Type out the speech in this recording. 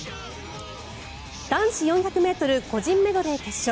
男子４００ｍ個人メドレー決勝。